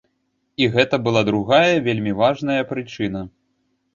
І гэта была другая, вельмі важная прычына.